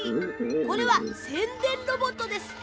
これはせんでんロボットです。